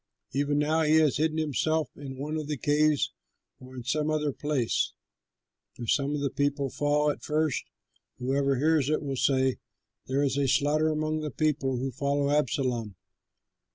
Even now he has hidden himself in one of the caves or in some other place. If some of the people fall at first, whoever hears it will say, 'There is a slaughter among the people who follow Absalom.'